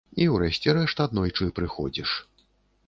І, у рэшце рэшт, аднойчы прыходзіш.